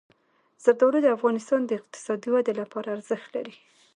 زردالو د افغانستان د اقتصادي ودې لپاره ارزښت لري.